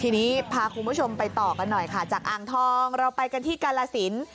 ทีนี้พาคุณผู้ชมไปต่อกันหน่อยค่ะจากอ่างทองเราไปกันที่กาลสิน